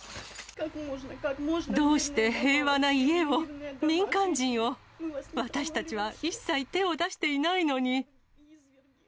どうして平和な家を、民間人を、私たちは一切、手を出していないのに。